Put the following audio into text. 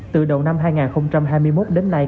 từ đầu năm hai nghìn hai mươi một đến nay